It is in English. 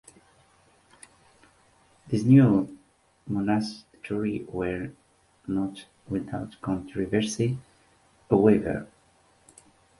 These new monasteries were not without controversy, however.